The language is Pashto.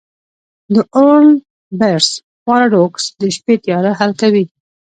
د اولبرس پاراډوکس د شپې تیاره حل کوي.